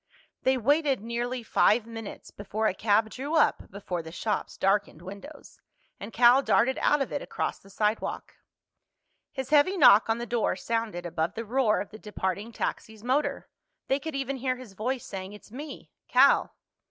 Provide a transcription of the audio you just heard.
They waited nearly five minutes before a cab drew up before the shop's darkened windows, and Cal darted out of it across the sidewalk. His heavy knock on the door sounded above the roar of the departing taxi's motor. They could even hear his voice saying, "It's me—Cal."